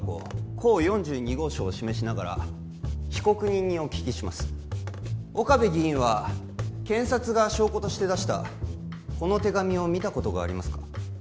甲４２号証を示しながら被告人にお聞きします岡部議員は検察が証拠として出したこの手紙を見たことがありますか？